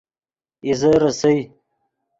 اِیزے ریسئے